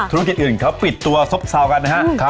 ธุรกิจอื่นเขาปิดตัวซบเซากันนะครับ